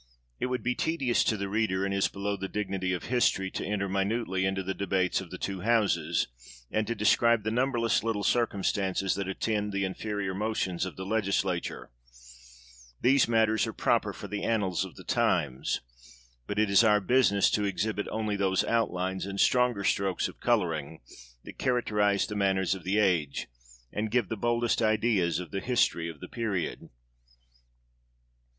It would be tedious to the reader, and is below the dignity of history, to enter minutely into the debates of the two houses, and to describe the numberless little circum stances that attend the inferior motions of the legis lature ; these matters are proper for the annals of the times ; but it is our business to exhibit only those out lines, and stronger strokes of colouring, that characterise the manners of the age, and give the boldest ideas of the history of the period.